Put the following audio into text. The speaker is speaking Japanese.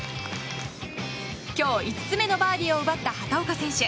今日、５つ目のバーディーを奪った畑岡選手。